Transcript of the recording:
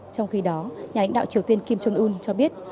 trong khi đó nhà lãnh đạo triều tiên kim sương ưn cho biết